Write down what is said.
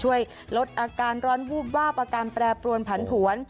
ช่วยลดอาการร้อนวูบวาบอาการแปรปรวนผันผวน